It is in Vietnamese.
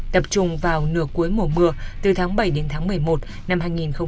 tập trung vào nửa cuối mùa mưa từ tháng bảy đến tháng một mươi một năm hai nghìn hai mươi